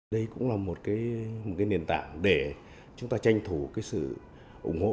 đây cũng là một nền tảng để chúng ta tranh thủ sự ủng hộ